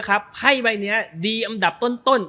ไพ่ใบนี้ดีอันดับต้น